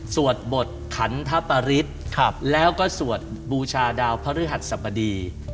สวดบทขันทปริศแล้วก็สวดบูชาดาวพระฤหัสสบดี